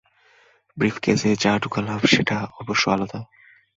ব্রিফকেসে যা ঢোকালাম সেটা অবশ্য আলাদা।